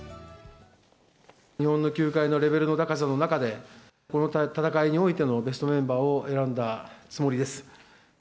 日本の球界のレベルの高さの中で、この戦いにおいてのベストメンバーを選んだつもりです。